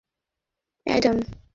ঈশ্বরের দোহাই লাগে, অ্যাডাম।